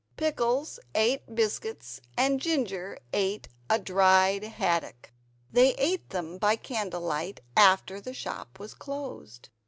Pickles ate biscuits and Ginger ate a dried haddock. They ate them by candle light after the shop was closed.